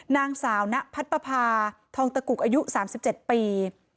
นางสาวนะพัดปภาทองตะกุกอายุสามสิบเจ็ดปี